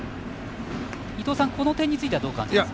伊東さん、この点についてはどう感じますか？